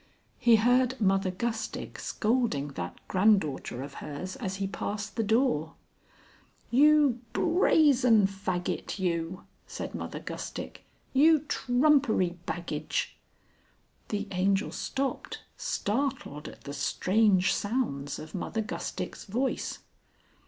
He heard Mother Gustick scolding that granddaughter of hers as he passed the door. "You Brazen Faggit you!" said Mother Gustick. "You Trumpery Baggage!" The Angel stopped, startled at the strange sounds of Mother Gustick's voice.